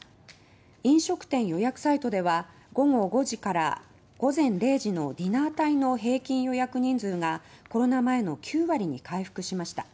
飲食店予約サイトでは午後５時から午前０時のディナー帯の平均予約人数がコロナ前の９割に回復しました。